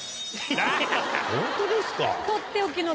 ホントですか。